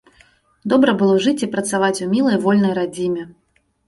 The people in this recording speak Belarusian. Добра было жыць і працаваць у мілай вольнай радзіме.